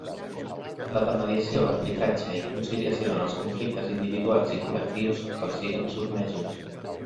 La de mediació, arbitratge i conciliació en els conflictes individuals i col·lectius que els siguen sotmesos.